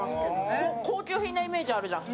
高級品なイメージあるじゃん。